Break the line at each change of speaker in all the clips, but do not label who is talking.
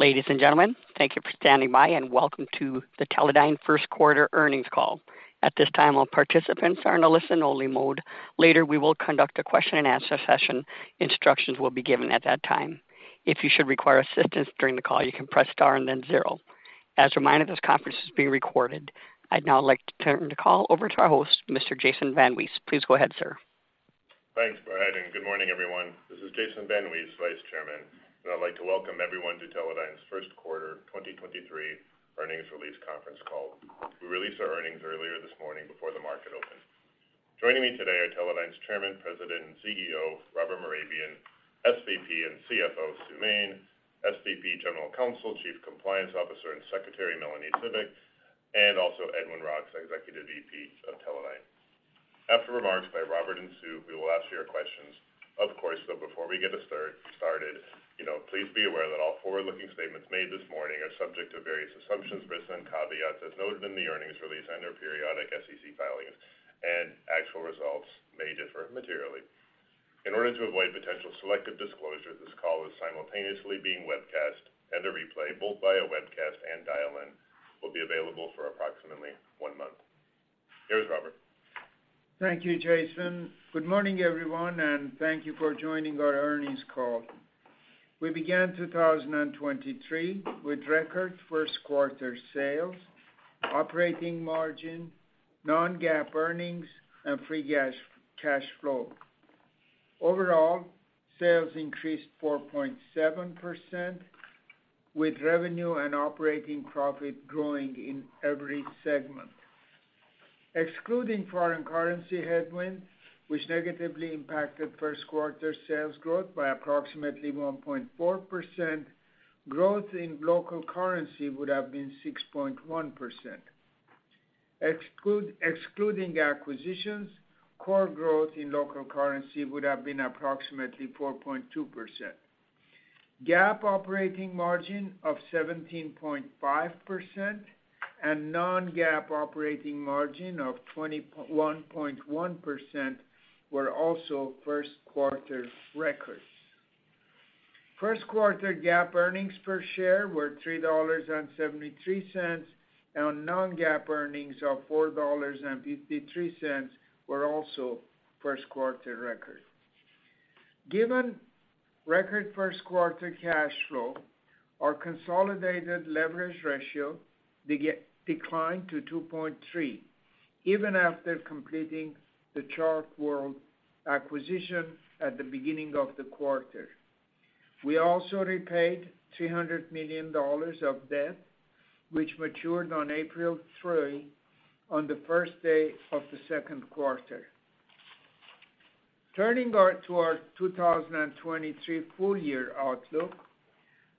Ladies and gentlemen, thank you for standing by and welcome to the Teledyne first quarter earnings call. At this time, all participants are in a listen-only mode. Later, we will conduct a question-and-answer session. Instructions will be given at that time. If you should require assistance during the call, you can press star and then zero. As a reminder, this conference is being recorded. I'd now like to turn the call over to our host, Mr. Jason VanWees. Please go ahead, sir.
Thanks, Brad, good morning, everyone. This is Jason VanWees, Vice Chairman, and I'd like to welcome everyone to Teledyne's first quarter 2023 earnings release conference call. We released our earnings earlier this morning before the market opened. Joining me today are Teledyne's Chairman, President, and CEO, Robert Mehrabian, SVP and CFO, Sue Main, SVP, General Counsel, Chief Compliance Officer, and Secretary, Melanie Cibik, and also Edwin Roks, Executive VP of Teledyne. After remarks by Robert and Sue, we will ask your questions. Of course, though, before we get started, you know, please be aware that all forward-looking statements made this morning are subject to various assumptions, risks, and caveats as noted in the earnings release and our periodic SEC filings, and actual results may differ materially. In order to avoid potential selective disclosure, this call is simultaneously being webcast, and a replay, both via webcast and dial-in, will be available for approximately one month. Here's Robert.
Thank you, Jason. Good morning, everyone. Thank you for joining our earnings call. We began 2023 with record first quarter sales, operating margin, non-GAAP earnings, and free cash flow. Overall, sales increased 4.7%, with revenue and operating profit growing in every segment. Excluding foreign currency headwind, which negatively impacted first quarter sales growth by approximately 1.4%, growth in local currency would have been 6.1%. Excluding acquisitions, core growth in local currency would have been approximately 4.2%. GAAP operating margin of 17.5% and non-GAAP operating margin of 21.1% were also first quarter records. First quarter GAAP earnings per share were $3.73, and non-GAAP earnings of $4.53 were also first quarter record. Given record first quarter cash flow, our consolidated leverage ratio declined to 2.3 even after completing the ChartWorld acquisition at the beginning of the quarter. We also repaid $300 million of debt, which matured on April 3, on the first day of the second quarter. Turning to our 2023 full year outlook,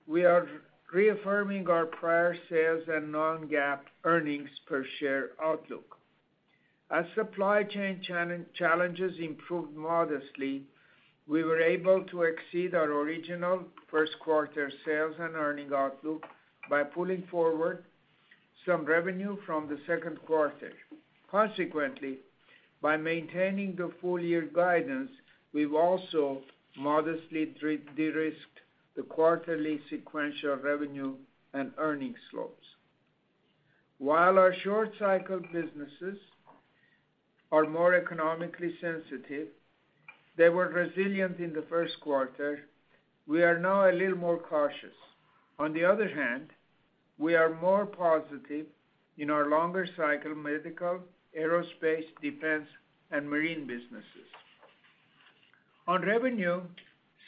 we are reaffirming our prior sales and non-GAAP EPS outlook. As supply chain challenges improved modestly, we were able to exceed our original first quarter sales and earning outlook by pulling forward some revenue from the second quarter. By maintaining the full year guidance, we've also modestly derisked the quarterly sequential revenue and earnings slopes. While our short cycle businesses are more economically sensitive, they were resilient in the first quarter. We are now a little more cautious. On the other hand, we are more positive in our longer cycle medical, aerospace, defense, and marine businesses. On revenue,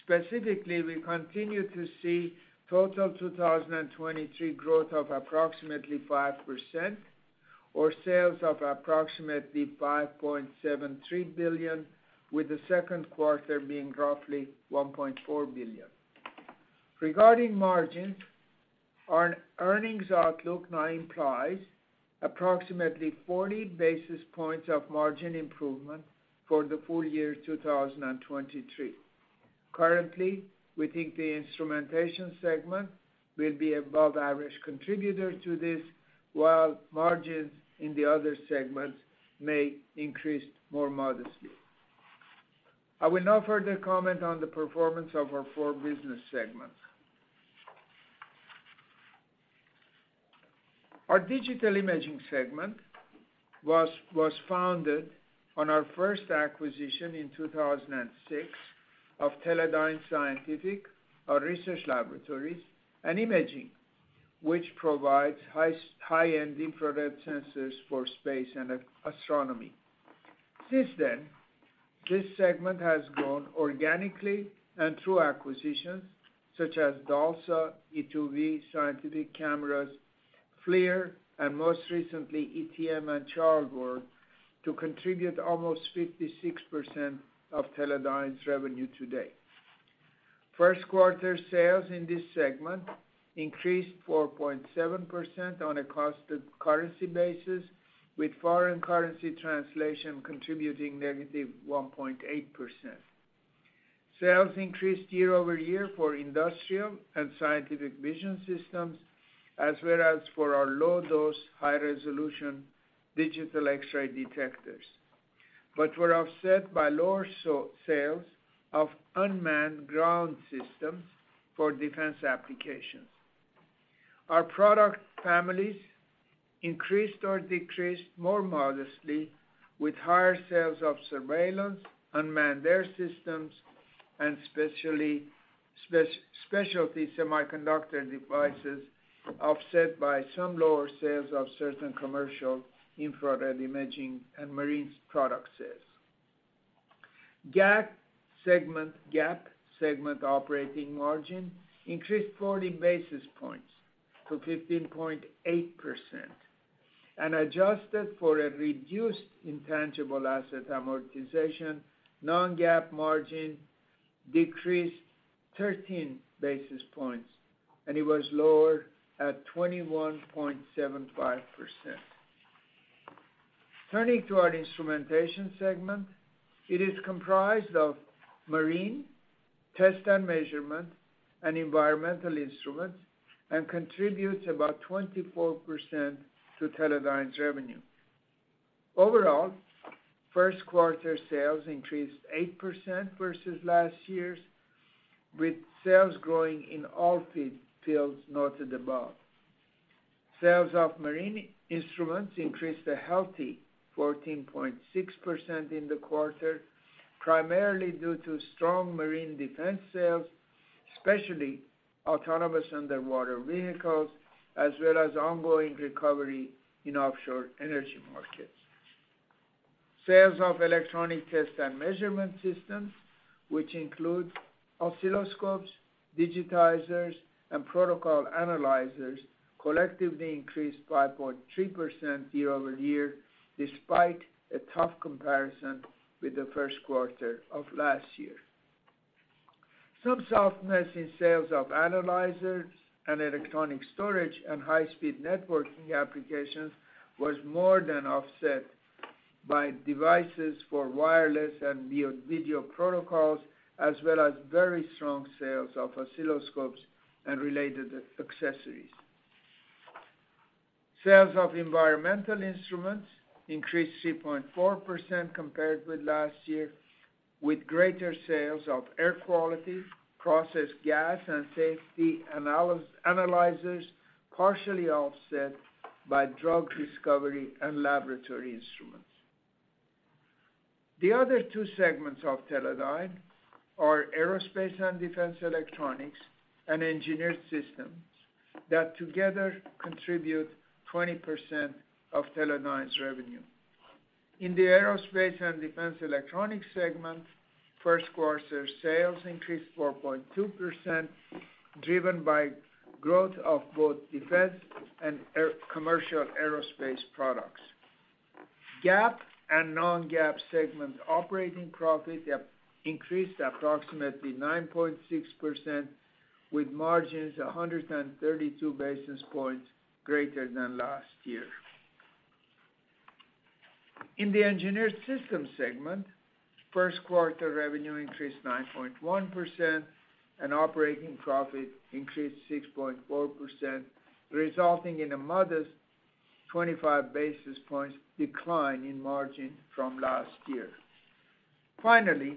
specifically, we continue to see total 2023 growth of approximately 5% or sales of approximately $5.73 billion, with the second quarter being roughly $1.4 billion. Regarding margins, our earnings outlook now implies approximately 40 basis points of margin improvement for the full year 2023. Currently, we think the Instrumentation segment will be above average contributor to this, while margins in the other segments may increase more modestly. I will now further comment on the performance of our four business segments. Our Digital Imaging segment was founded on our first acquisition in 2006 of Teledyne Scientific, our research laboratories, and Imaging, which provides high-end infrared sensors for space and astronomy. Since then, this segment has grown organically and through acquisitions such as DALSA, e2v scientific cameras, FLIR, and most recently, ETM and ChartWorld, to contribute almost 56% of Teledyne's revenue today. First quarter sales in this segment increased 4.7% on a constant currency basis, with foreign currency translation contributing negative 1.8%. Sales increased year-over-year for industrial and scientific vision systems, as well as for our low-dose, high-resolution digital X-ray detectors. Were offset by lower sales of unmanned ground systems for defense applications. Our product families increased or decreased more modestly with higher sales of surveillance, unmanned air systems, and specialty semiconductor devices, offset by some lower sales of certain commercial infrared imaging and marine product sales. GAAP segment operating margin increased 40 basis points to 15.8%, and adjusted for a reduced intangible asset amortization, non-GAAP margin decreased 13 basis points, and it was lower at 21.75%. Turning to our Instrumentation segment, it is comprised of marine, test and measurement, and environmental instruments and contributes about 24% to Teledyne's revenue. Overall, first quarter sales increased 8% versus last year's, with sales growing in all fields noted above. Sales of marine instruments increased a healthy 14.6% in the quarter, primarily due to strong marine defense sales, especially autonomous underwater vehicles, as well as ongoing recovery in offshore energy markets. Sales of electronic test and measurement systems, which include oscilloscopes, digitizers, and protocol analyzers, collectively increased 5.3% year-over-year despite a tough comparison with the first quarter of last year. Some softness in sales of analyzers and electronic storage and high-speed networking applications was more than offset by devices for wireless and video protocols, as well as very strong sales of oscilloscopes and related accessories. Sales of environmental instruments increased 3.4% compared with last year, with greater sales of air quality, process gas, and safety analyzers, partially offset by drug discovery and laboratory instruments. The other two segments of Teledyne are Aerospace and Defense Electronics and Engineered Systems that together contribute 20% of Teledyne's revenue. In the Aerospace and Defense Electronics segment, first quarter sales increased 4.2%, driven by growth of both defense and commercial aerospace products. GAAP and non-GAAP segment operating profit have increased approximately 9.6%, with margins 132 basis points greater than last year. In the Engineered Systems segment, first quarter revenue increased 9.1%, and operating profit increased 6.4%, resulting in a modest 25 basis points decline in margin from last year. Finally,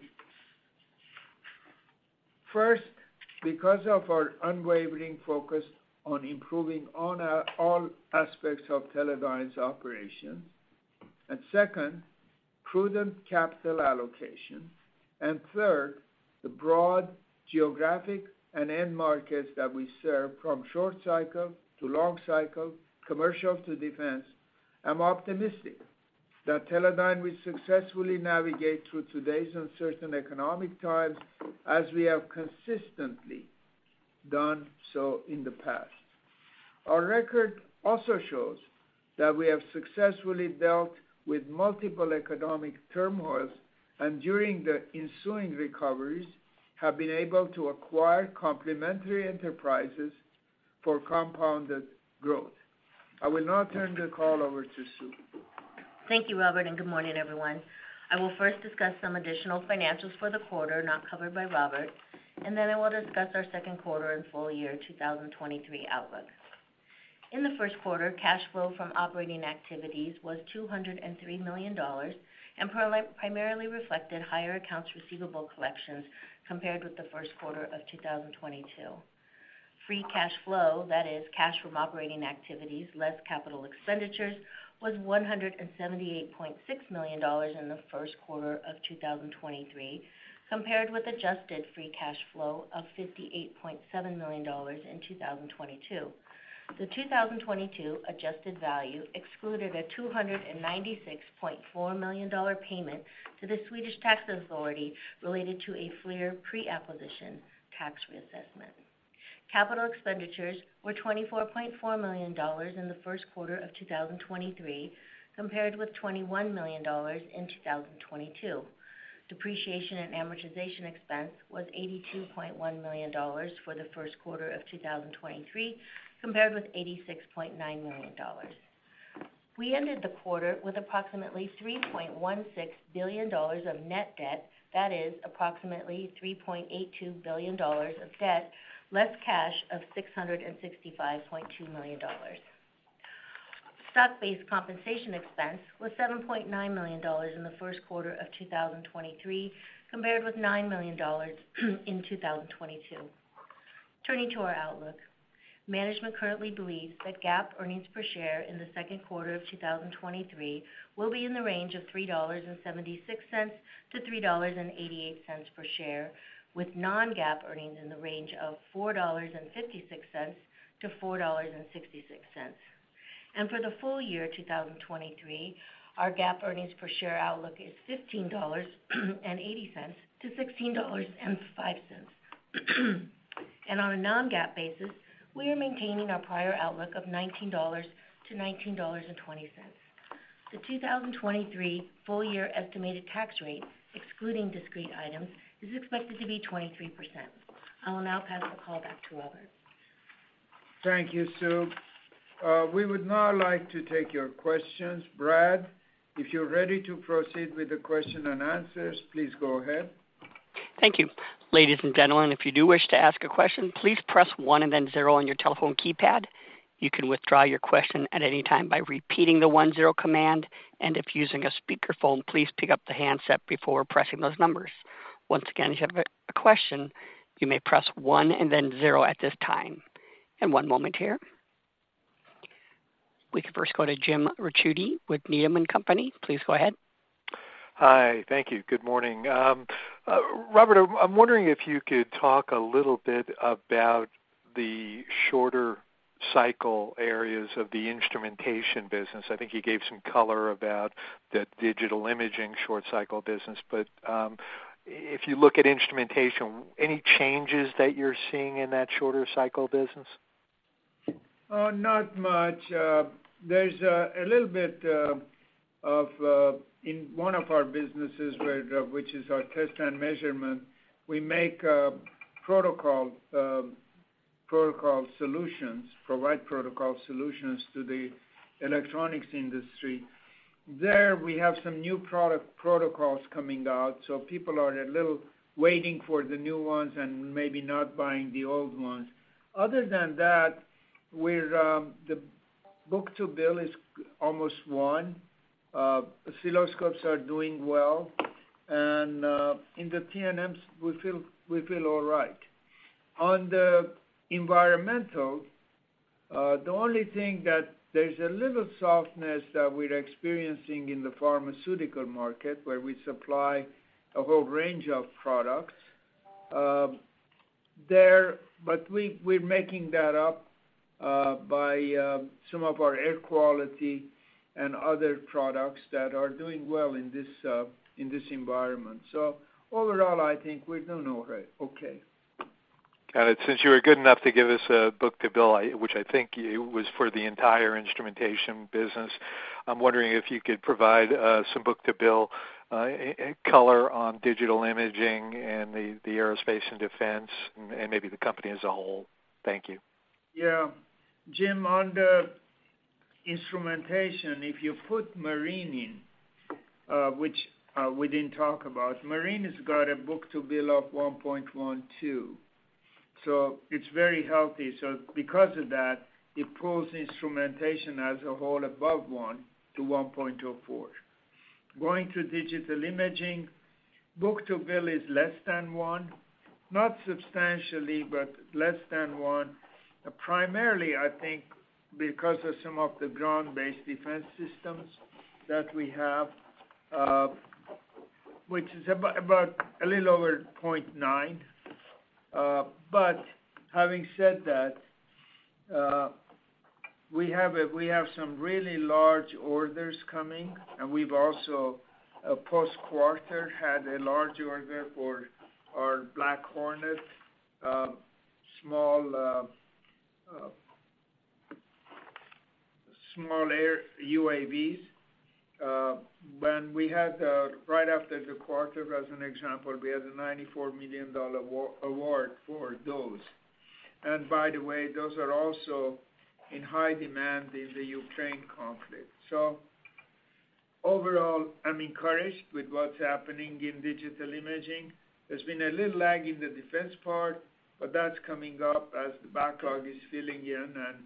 first, because of our unwavering focus on improving on all aspects of Teledyne's operations, and second, prudent capital allocation, and third, the broad geographic and end markets that we serve, from short cycle to long cycle, commercial to defense, I'm optimistic that Teledyne will successfully navigate through today's uncertain economic times, as we have consistently done so in the past. Our record also shows that we have successfully dealt with multiple economic turmoils, and during the ensuing recoveries, have been able to acquire complementary enterprises for compounded growth. I will now turn the call over to Sue.
Thank you, Robert. Good morning, everyone. I will first discuss some additional financials for the quarter not covered by Robert. Then I will discuss our second quarter and full year 2023 outlook. In the first quarter, cash flow from operating activities was $203 million primarily reflected higher accounts receivable collections compared with the first quarter of 2022. Free cash flow, that is cash from operating activities, less capital expenditures, was $178.6 million in the first quarter of 2023, compared with adjusted free cash flow of $58.7 million in 2022. The 2022 adjusted value excluded a $296.4 million payment to the Swedish Tax Agency related to a FLIR pre-acquisition tax reassessment. Capital expenditures were $24.4 million in the first quarter of 2023, compared with $21 million in 2022. Depreciation and amortization expense was $82.1 million for the first quarter of 2023, compared with $86.9 million. We ended the quarter with approximately $3.16 billion of net debt. That is approximately $3.82 billion of debt, less cash of $665.2 million. Stock-based compensation expense was $7.9 million in the first quarter of 2023, compared with $9 million in 2022. Turning to our outlook. Management currently believes that GAAP earnings per share in the second quarter of 2023 will be in the range of $3.76-$3.88 per share, with non-GAAP earnings in the range of $4.56-$4.66. For the full year 2023, our GAAP earnings per share outlook is $15.80-$16.05. On a non-GAAP basis, we are maintaining our prior outlook of $19.00-$19.20. The 2023 full year estimated tax rate, excluding discrete items, is expected to be 23%. I will now pass the call back to Robert.
Thank you, Sue. We would now like to take your questions. Brad, if you're ready to proceed with the question and answers, please go ahead.
Thank you. Ladies and gentlemen, if you do wish to ask a question, please press one and then zero on your telephone keypad. You can withdraw your question at any time by repeating the one zero command. If using a speakerphone, please pick up the handset before pressing those numbers. Once again, if you have a question, you may press one and then zero at this time. One moment here. We can first go to Jim Ricchiuti with Needham & Company. Please go ahead.
Hi. Thank you. Good morning. Robert, I'm wondering if you could talk a little bit about the shorter cycle areas of the Instrumentation business. I think you gave some color about the Digital Imaging short cycle business. If you look at Instrumentation, any changes that you're seeing in that shorter cycle business?
Not much. There's a little bit of in one of our businesses where, which is our test and measurement, we make protocol solutions, provide protocol solutions to the electronics industry. There, we have some new product protocols coming out, so people are a little waiting for the new ones and maybe not buying the old ones. Other than that, we're, the book-to-bill is almost one. Oscilloscopes are doing well, and in the TNMs we feel all right. On the environmental, the only thing that there's a little softness that we're experiencing in the pharmaceutical market, where we supply a whole range of products, there, but we're making that up by some of our air quality and other products that are doing well in this, in this environment. Overall, I think we're doing all right, okay.
Got it. Since you were good enough to give us a book-to-bill, I, which I think it was for the entire Instrumentation business, I'm wondering if you could provide some book-to-bill color on Digital Imaging and the Aerospace & Defense and maybe the company as a whole. Thank you.
Yeah. Jim, on the Instrumentation, if you put marine in, which we didn't talk about, marine has got a book-to-bill of 1.12, so it's very healthy. Because of that, it pulls Instrumentation as a whole above one-1.04. Going to Digital Imaging, book-to-bill is less than one, not substantially, but less than one. Primarily, I think, because of some of the ground-based defense systems that we have, which is about a little over 0.9. Having said that, we have some really large orders coming, and we've also, post quarter, had a large order for our Black Hornet, small air UAVs. When we had, right after the quarter, as an example, we had a $94 million award for those. By the way, those are also in high demand in the Ukraine conflict. Overall, I'm encouraged with what's happening in Digital Imaging. There's been a little lag in the defense part, but that's coming up as the backlog is filling in and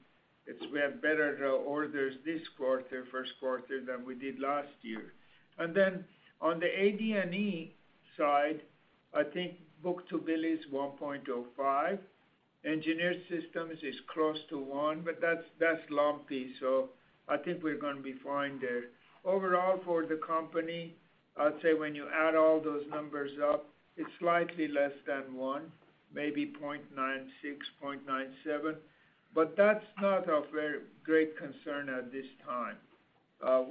we have better orders this quarter, first quarter, than we did last year. On the AD&E side, I think book-to-bill is 1.05. Engineered Systems is close to one, but that's lumpy, so I think we're gonna be fine there. Overall for the company, I'd say when you add all those numbers up, it's slightly less than one, maybe 0.96, 0.97, but that's not of very great concern at this time.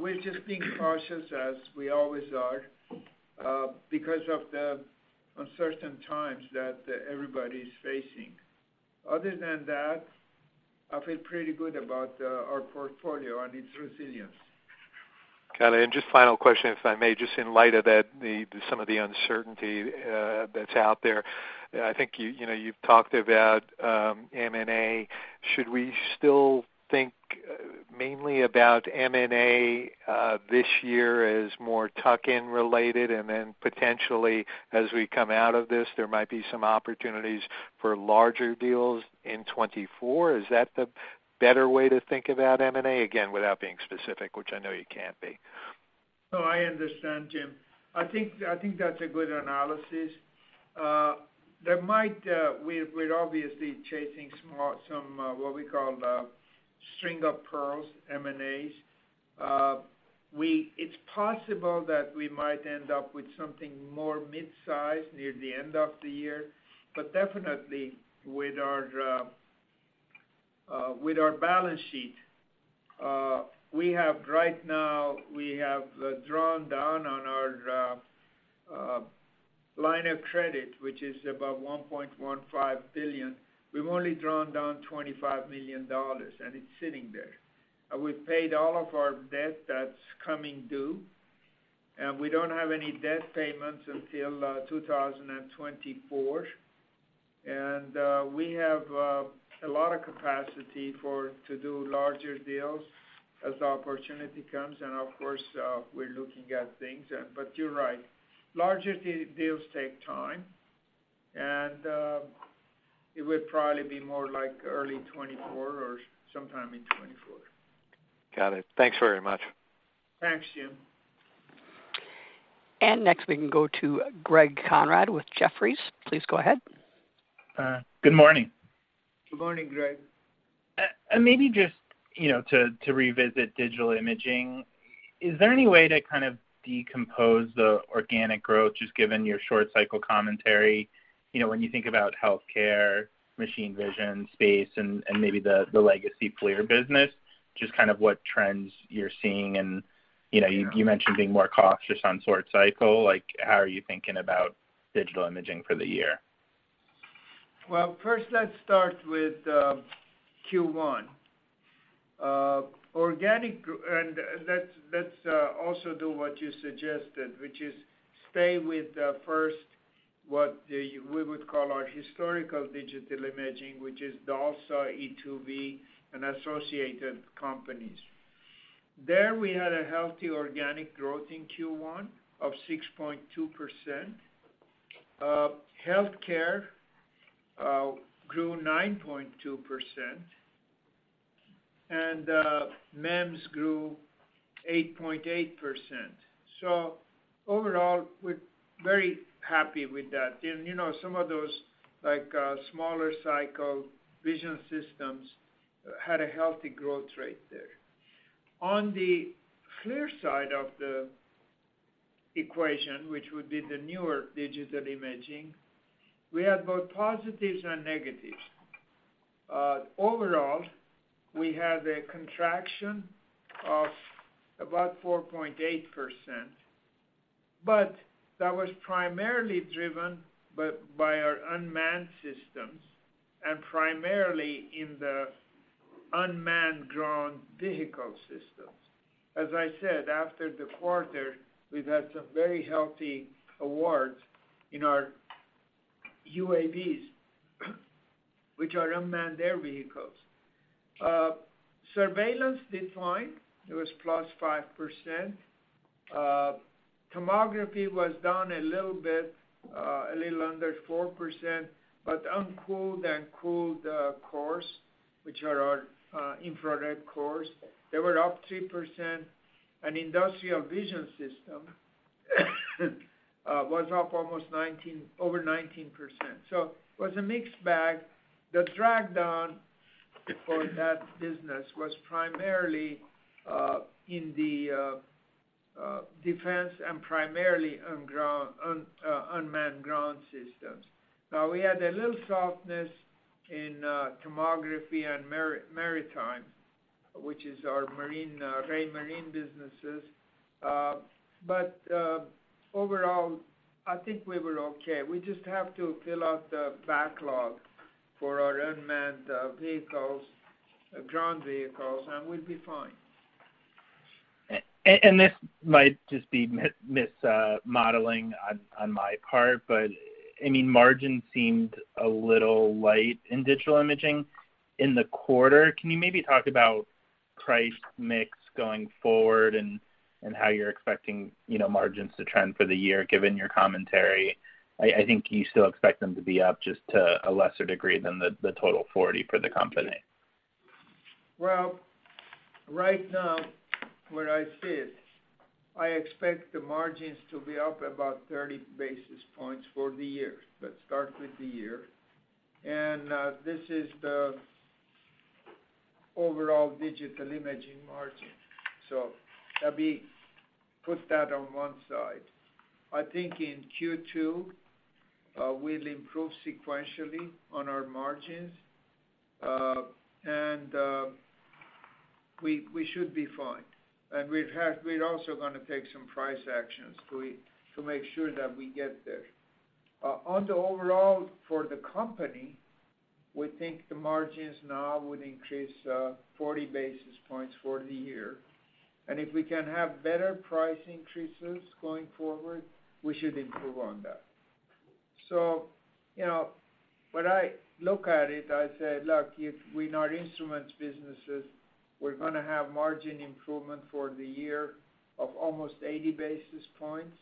We're just being cautious, as we always are, because of the uncertain times that everybody's facing. Other than that, I feel pretty good about our portfolio and its resilience.
Got it. Just final question, if I may. Just in light of that, some of the uncertainty that's out there. I think you know, you've talked about M&A. Should we still think mainly about M&A this year as more tuck-in related, and then potentially as we come out of this, there might be some opportunities for larger deals in 2024? Is that the better way to think about M&A? Again, without being specific, which I know you can't be.
No, I understand, Jim. I think that's a good analysis. There might We're obviously chasing some, what we call the string of pearls M&As. It's possible that we might end up with something more mid-size near the end of the year. Definitely with our balance sheet, we have right now, we have drawn down on our line of credit, which is about $1.15 billion. We've only drawn down $25 million, and it's sitting there. We've paid all of our debt that's coming due, and we don't have any debt payments until 2024. We have a lot of capacity for to do larger deals as the opportunity comes and, of course, we're looking at things. You're right. Larger de-deals take time and it would probably be more like early 2024 or sometime in 2024.
Got it. Thanks very much.
Thanks, Jim.
Next, we can go to Greg Konrad with Jefferies. Please go ahead.
Good morning.
Good morning, Greg.
Maybe just, you know, to revisit Digital Imaging. Is there any way to kind of decompose the organic growth, just given your short cycle commentary, you know, when you think about healthcare, machine vision, space and maybe the legacy FLIR business, just kind of what trends you're seeing and, you know, you mentioned being more cautious on short cycle? Like, how are you thinking about Digital Imaging for the year?
Well, first, let's start with Q1. let's also do what you suggested, which is stay with first, what we would call our historical Digital Imaging, which is DALSA, e2v and associated companies. There, we had a healthy organic growth in Q1 of 6.2%. healthcare grew 9.2%, and MEMS grew 8.8%. Overall, we're very happy with that. you know, some of those like smaller cycle vision systems had a healthy growth rate there. On the FLIR side of the equation, which would be the newer Digital Imaging, we had both positives and negatives. Overall, we had a contraction of about 4.8%, but that was primarily driven by our unmanned systems and primarily in the unmanned ground vehicle systems. As I said, after the quarter, we've had some very healthy awards in our UAVs, which are unmanned air vehicles. Surveillance declined. It was +5%. Tomography was down a little bit, a little under 4%. Uncooled and cooled cores, which are our infrared cores, they were up 3%. Industrial vision system was up almost 19, over 19%. It was a mixed bag. The drag down for that business was primarily in the defense and primarily on ground unmanned ground systems. Now, we had a little softness in tomography and maritime, which is our marine Raymarine businesses. Overall, I think we were okay. We just have to fill out the backlog for our unmanned vehicles, ground vehicles, and we'll be fine.
This might just be modeling on my part, I mean, margin seemed a little light in Digital Imaging in the quarter. Can you maybe talk about price mix going forward and how you're expecting, you know, margins to trend for the year, given your commentary? I think you still expect them to be up just to a lesser degree than the total 40 for the company.
Well, right now, what I said, I expect the margins to be up about 30 basis points for the year. Let's start with the year. This is the overall Digital Imaging margin. So that we put that on one side. I think in Q2, we'll improve sequentially on our margins, and we should be fine. We're also gonna take some price actions to make sure that we get there. On the overall for the company, we think the margins now would increase, 40 basis points for the year. If we can have better price increases going forward, we should improve on that. You know, when I look at it, I say, 'Look, if we're not instruments businesses, we're gonna have margin improvement for the year of almost 80 basis points.'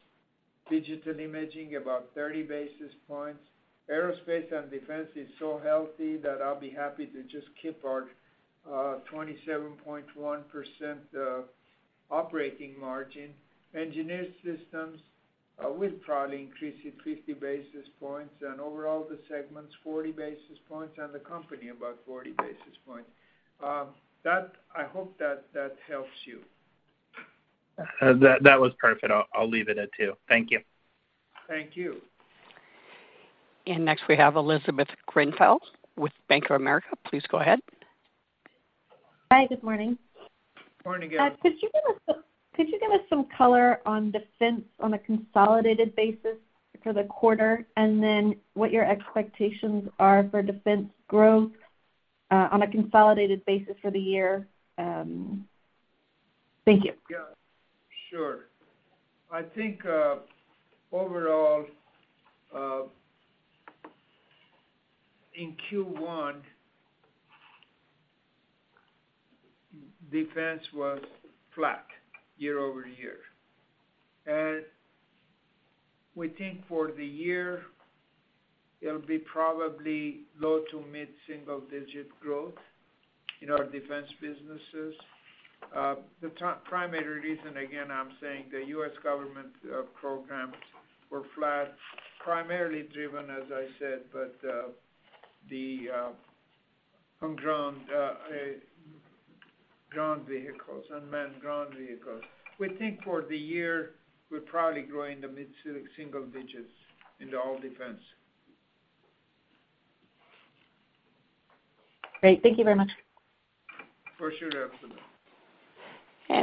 Digital Imaging about 30 basis points. Aerospace and Defense is so healthy that I'll be happy to just keep our 27.1% operating margin. Engineered Systems, we'll probably increase it 50 basis points and overall the segments 40 basis points and the company about 40 basis points. I hope that helps you.
that was perfect. I'll leave it at two. Thank you.
Thank you.
Next we have Elizabeth Grenfell with Bank of America. Please go ahead.
Hi, good morning.
Morning again.
Could you give us some color on defense on a consolidated basis for the quarter? What your expectations are for defense growth, on a consolidated basis for the year? Thank you.
Yeah. Sure. I think, overall, in Q1, defense was flat year-over-year. We think for the year it'll be probably low to mid-single-digit growth in our defense businesses. The primary reason, again, I'm saying the U.S. government, programs were flat, primarily driven, as I said, but the ground vehicles, unmanned ground vehicles. We think for the year, we're probably growing the mid-single-digits into all defense.
Great. Thank you very much.
For sure. Absolutely.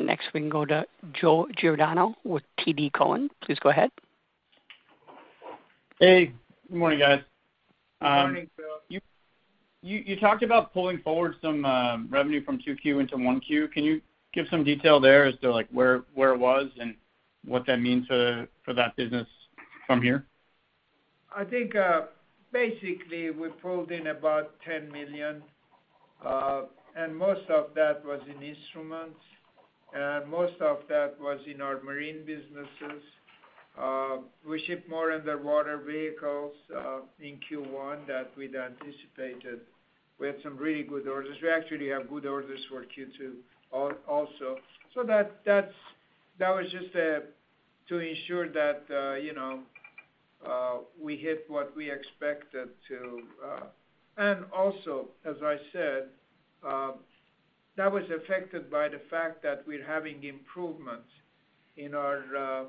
Next we can go to Joe Giordano with TD Cowen. Please go ahead.
Hey, good morning, guys.
Good morning, Joe.
You talked about pulling forward some revenue from 2Q into 1Q. Can you give some detail there as to like where it was and what that means for that business from here?
I think, basically we pulled in about $10 million. Most of that was in instruments, and most of that was in our marine businesses. We ship more underwater vehicles in Q1 than we'd anticipated. We had some really good orders. We actually have good orders for Q2 also. That was just to ensure that, you know, we hit what we expected to. Also, as I said, that was affected by the fact that we're having improvements in our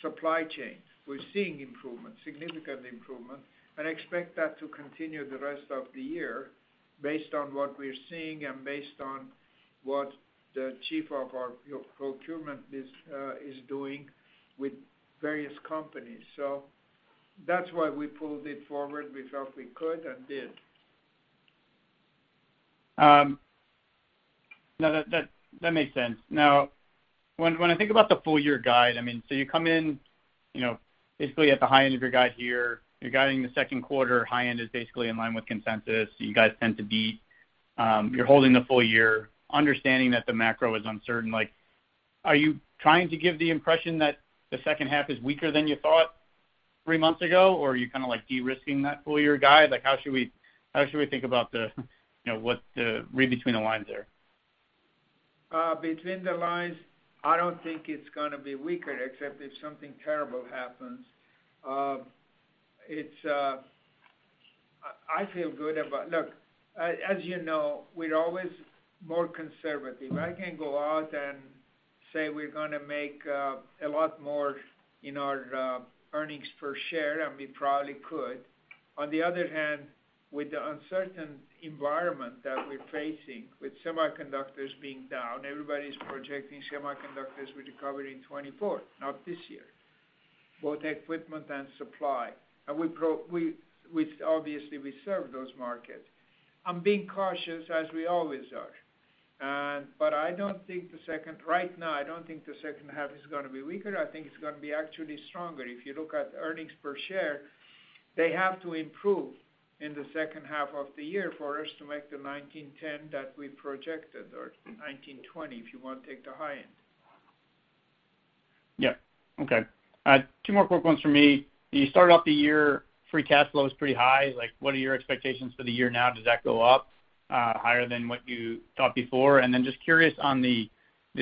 supply chain. We're seeing improvement, significant improvement, and expect that to continue the rest of the year based on what we're seeing and based on what the chief of our procurement is doing with various companies. That's why we pulled it forward. We felt we could and did.
No, that, that makes sense. Now, when I think about the full year guide, I mean, you come in, you know, basically at the high end of your guide here, you're guiding the second quarter high end is basically in line with consensus. You guys tend to beat, you're holding the full year understanding that the macro is uncertain. Like, are you trying to give the impression that the second half is weaker than you thought three months ago? Are you kinda like de-risking that full year guide? Like, how should we think about the, you know, what the read between the lines there?
Between the lines, I don't think it's gonna be weaker except if something terrible happens. It's, I feel good about, look, as you know, we're always more conservative. I can go out and say we're gonna make a lot more in our earnings per share, and we probably could. On the other hand, with the uncertain environment that we're facing with semiconductors being down, everybody's projecting semiconductors will recover in 2024, not this year, both equipment and supply. With obviously we serve those markets. I'm being cautious, as we always are. But I don't think the second, right now I don't think the second half is gonna be weaker. I think it's gonna be actually stronger. If you look at earnings per share, they have to improve in the second half of the year for us to make the $19.10 that we projected, or $19.20, if you wanna take the high end.
Yeah. Okay. two more quick ones for me. You started off the year, free cash flow is pretty high. Like, what are your expectations for the year now? Does that go up, higher than what you thought before? Just curious on the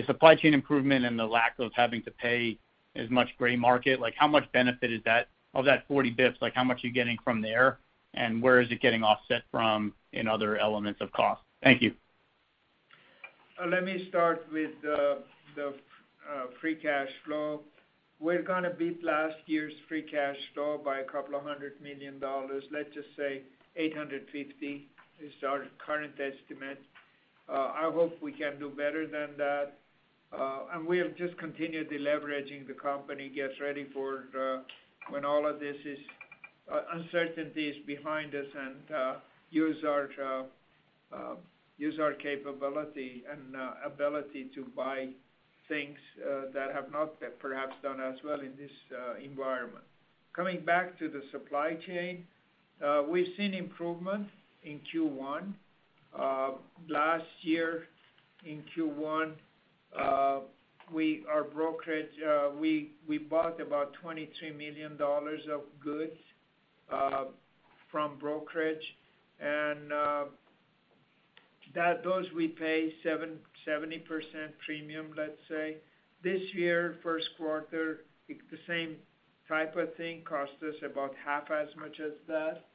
supply chain improvement and the lack of having to pay as much gray market, like, how much benefit is that? Of that 40 basis points, like, how much are you getting from there? And where is it getting offset from in other elements of cost? Thank you.
Let me start with the free cash flow. We're gonna beat last year's free cash flow by a couple of hundred million dollars. Let's just say $850 is our current estimate. I hope we can do better than that. We have just continued deleveraging the company, gets ready for the, when all of this is, uncertainty is behind us and use our capability and ability to buy things that have not perhaps done as well in this environment. Coming back to the supply chain, we've seen improvement in Q1. Last year in Q1, our brokerage, we bought about $23 million of goods from brokerage. Those we pay 70% premium, let's say. This year, first quarter, the same type of thing cost us about half as much as that.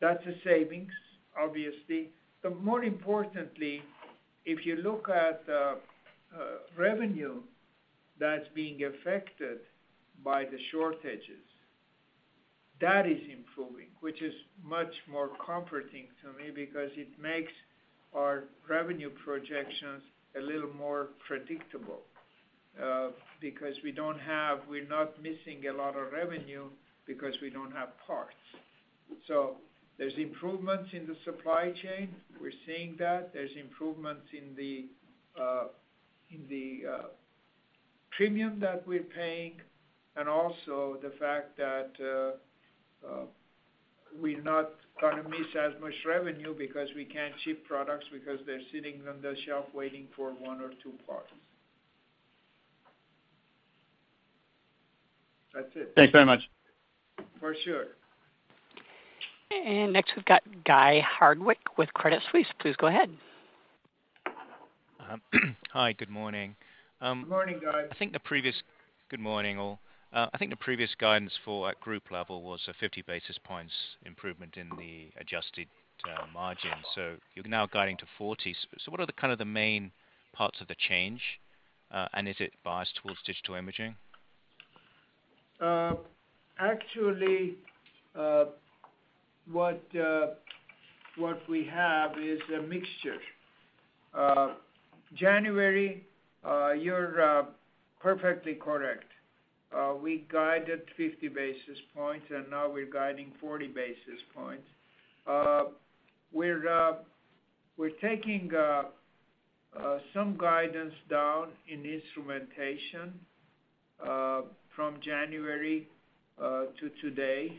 That's a savings, obviously. More importantly, if you look at revenue that's being affected by the shortages, that is improving, which is much more comforting to me because it makes our revenue projections a little more predictable because we're not missing a lot of revenue because we don't have parts. There's improvements in the supply chain. We're seeing that. There's improvements in the premium that we're paying, and also the fact that we're not gonna miss as much revenue because we can't ship products because they're sitting on the shelf waiting for one or two parts. That's it.
Thanks very much.
For sure.
Next, we've got Guy Hardwick with Credit Suisse. Please go ahead.
hi, good morning.
Good morning, Guy.
Good morning, all. I think the previous guidance for, at group level, was a 50 basis points improvement in the adjusted margin. You're now guiding to 40. What are the kind of the main parts of the change, and is it biased towards Digital Imaging?
Actually, what we have is a mixture. January, you're perfectly correct. We guided 50 basis points, and now we're guiding 40 basis points. We're taking some guidance down in Instrumentation from January to today.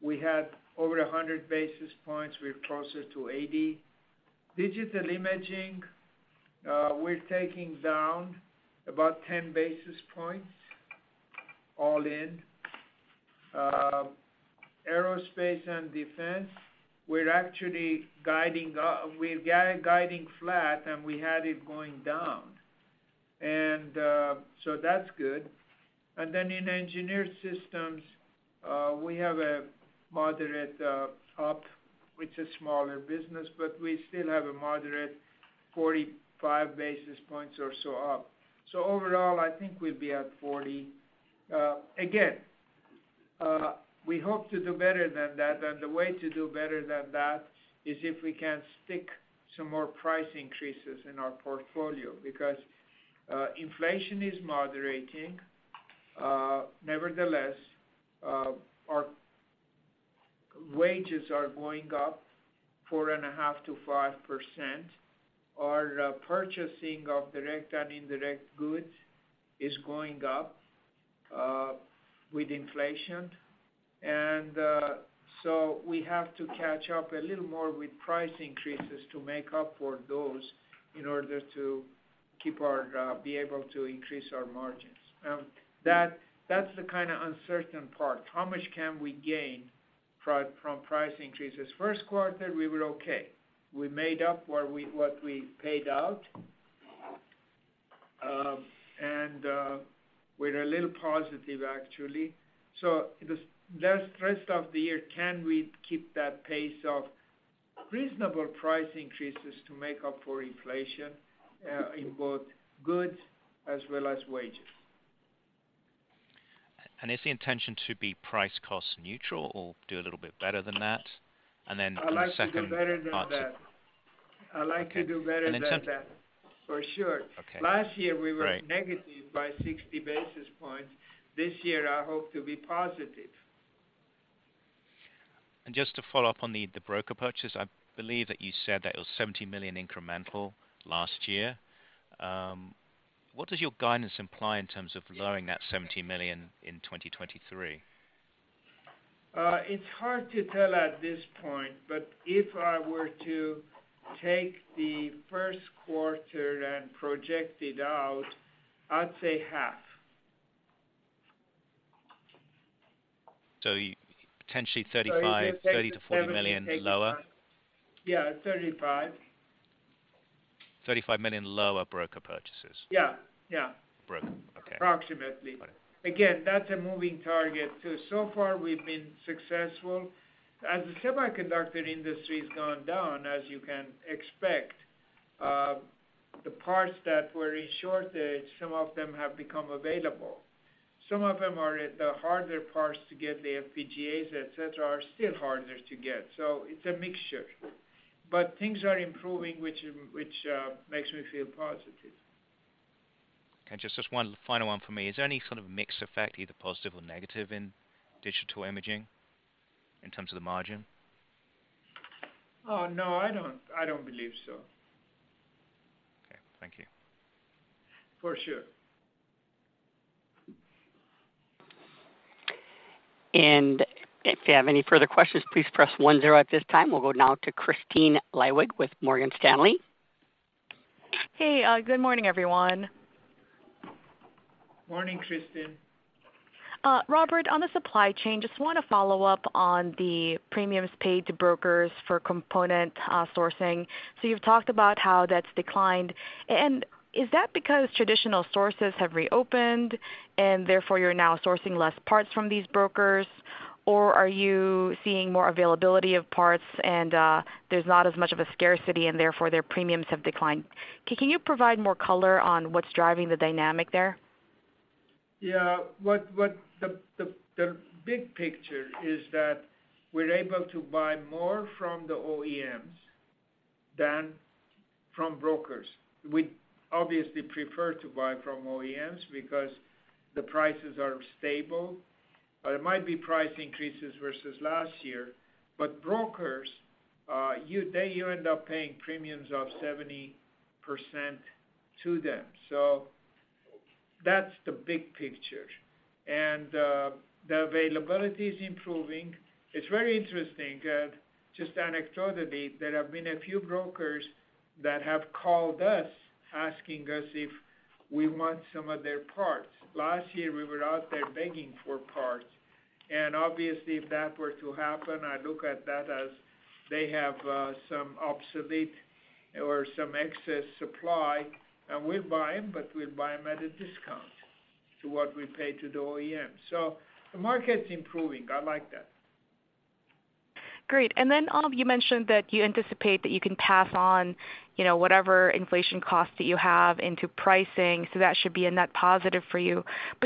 We had over 100 basis points. We're closer to 80. Digital Imaging, we're taking down about 10 basis points all in. Aerospace and Defense, we're actually guiding flat, and we had it going down. That's good. In Engineered Systems, we have a moderate up. It's a smaller business, but we still have a moderate 45 basis points or so up. Overall, I think we'll be at 40. Again, we hope to do better than that, and the way to do better than that is if we can stick some more price increases in our portfolio because inflation is moderating. Nevertheless, our wages are going up 4.5%-5%. Our purchasing of direct and indirect goods is going up with inflation. So we have to catch up a little more with price increases to make up for those in order to keep our, be able to increase our margins. That, that's the kinda uncertain part. How much can we gain from price increases? First quarter, we were okay. We made up what we paid out. We're a little positive actually. The rest of the year, can we keep that pace of reasonable price increases to make up for inflation in both goods as well as wages?
Is the intention to be price cost neutral or do a little bit better than that?
I'd like to do better than that.
Okay.
I'd like to do better than that.
And in terms of-
For sure.
Okay.
Last year, we.
Great
Negative by 60 basis points. This year, I hope to be positive.
Just to follow up on the broker purchase, I believe that you said that it was $70 million incremental last year. What does your guidance imply in terms of lowering that $70 million in 2023?
It's hard to tell at this point, but if I were to take the first quarter and project it out, I'd say half.
potentially
if you take the
$30 million-$40 million lower.
Yeah, 35.
$35 million lower broker purchases?
Yeah, yeah.
Broker, okay.
Approximately.
Got it.
That's a moving target too. So far, we've been successful. As the semiconductor industry's gone down, as you can expect, the parts that were in shortage, some of them have become available. Some of them are the harder parts to get, the FPGAs, et cetera, are still harder to get. It's a mixture. Things are improving, which makes me feel positive.
Okay, just one final one for me. Is there any sort of mix effect, either positive or negative, in Digital Imaging in terms of the margin?
Oh, no, I don't believe so.
Okay. Thank you.
For sure.
If you have any further questions, please press one zero at this time. We'll go now to Kristine Liwag with Morgan Stanley.
Hey, good morning, everyone.
Morning, Kristine.
Robert, on the supply chain, just wanna follow up on the premiums paid to brokers for component sourcing. You've talked about how that's declined. Is that because traditional sources have reopened and therefore you're now sourcing less parts from these brokers? Are you seeing more availability of parts and there's not as much of a scarcity and therefore their premiums have declined? Can you provide more color on what's driving the dynamic there?
Yeah. The big picture is that we're able to buy more from the OEMs than from brokers. We'd obviously prefer to buy from OEMs because the prices are stable. There might be price increases versus last year. Brokers, you end up paying premiums of 70% to them. That's the big picture. The availability is improving. It's very interesting, just anecdotally, there have been a few brokers that have called us, asking us if we want some of their parts. Last year, we were out there begging for parts. Obviously if that were to happen, I look at that as they have some obsolete or some excess supply, and we'll buy them, but we'll buy them at a discount to what we pay to the OEM. The market's improving. I like that.
Great. You mentioned that you anticipate that you can pass on, you know, whatever inflation costs that you have into pricing, so that should be a net positive for you.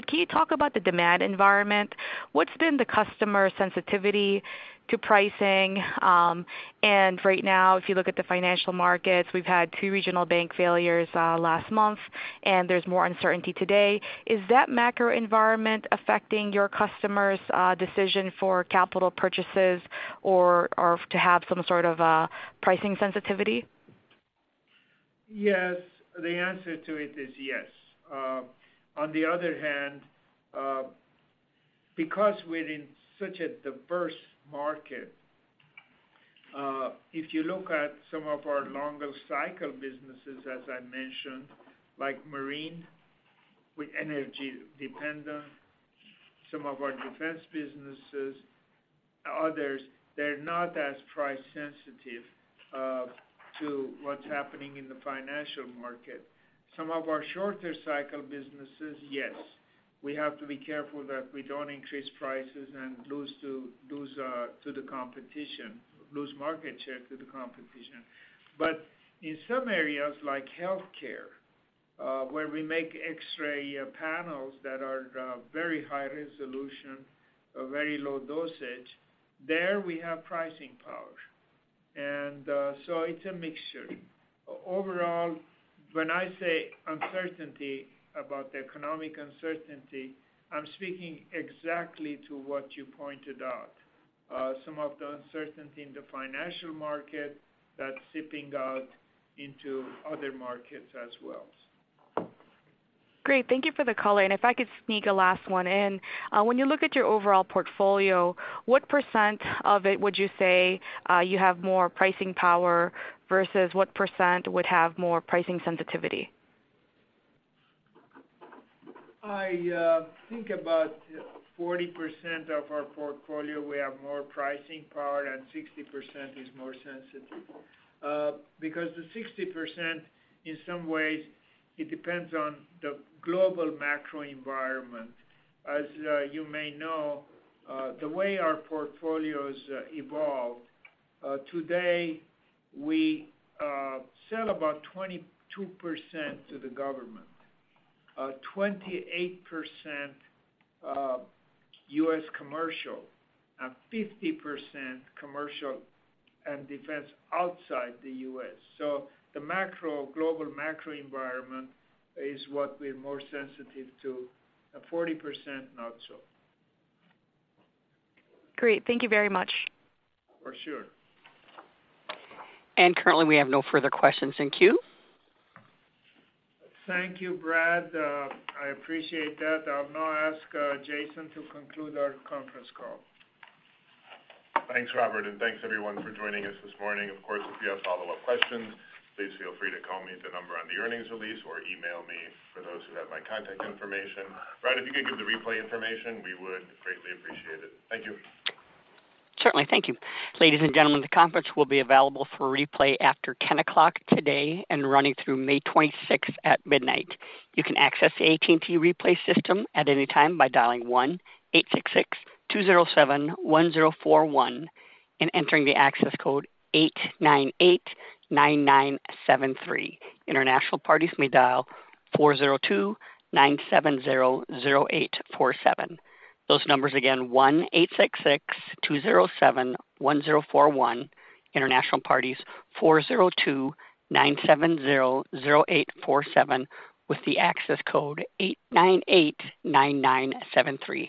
Can you talk about the demand environment? What's been the customer sensitivity to pricing? Right now, if you look at the financial markets, we've had two regional bank failures, last month, and there's more uncertainty today. Is that macro environment affecting your customers', decision for capital purchases or to have some sort of a pricing sensitivity?
Yes. The answer to it is yes. On the other hand, because we're in such a diverse market, if you look at some of our longer cycle businesses, as I mentioned, like marine, we're energy dependent, some of our defense businesses, others, they're not as price sensitive, to what's happening in the financial market. Some of our shorter cycle businesses, yes. We have to be careful that we don't increase prices and lose to the competition, lose market share to the competition. In some areas like healthcare, where we make X-ray panels that are very high resolution or very low dosage, there we have pricing power. It's a mixture. Overall, when I say uncertainty about the economic uncertainty, I'm speaking exactly to what you pointed out. Some of the uncertainty in the financial market that's seeping out into other markets as well.
Great. Thank you for the color. If I could sneak a last one in. When you look at your overall portfolio, what % of it would you say, you have more pricing power versus what % would have more pricing sensitivity?
I think about 40% of our portfolio, we have more pricing power, and 60% is more sensitive. Because the 60%, in some ways, it depends on the global macro environment. As you may know, the way our portfolio's evolved today, we sell about 22% to the government, 28% U.S. commercial, and 50% commercial and defense outside the U.S. The macro, global macro environment is what we're more sensitive to, and 40% not so.
Great. Thank you very much.
For sure.
Currently, we have no further questions in queue.
Thank you, Brad. I appreciate that. I'll now ask Jason to conclude our conference call.
Thanks, Robert, thanks everyone for joining us this morning. Of course, if you have follow-up questions, please feel free to call me at the number on the earnings release or email me for those who have my contact information. Brad, if you could give the replay information, we would greatly appreciate it. Thank you.
Certainly. Thank you. Ladies and gentlemen, the conference will be available for replay after 10 o'clock today and running through May 26th at midnight. You can access the AT&T replay system at any time by dialing 1-866-207-1041 and entering the access code 898-9973. International parties may dial 402-970-0847. Those numbers again 1-866-207-1041. International parties, 402-970-0847 with the access code 898-9973.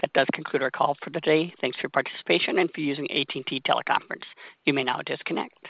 That does conclude our call for the day. Thanks for your participation and for using AT&T Teleconference. You may now disconnect.